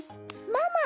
ママ！